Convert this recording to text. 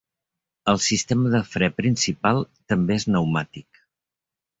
El sistema de fre principal també és pneumàtic.